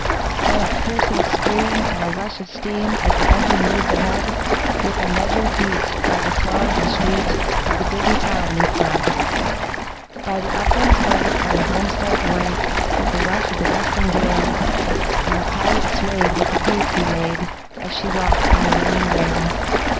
Then a piercing scream and a rush of steam As the engine moved ahead, With a measured beat by the slum and street Of the busy town we fled, By the uplands bright and the homesteads white, With the rush of the western gale, And the pilot swayed with the pace we made As she rocked on the ringing rail.